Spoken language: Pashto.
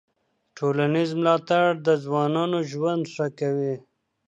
ټولنیز ملاتړ د ځوانانو ژوند ښه کوي.